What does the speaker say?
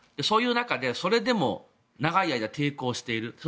そういう中でそれでも長い間、抵抗している。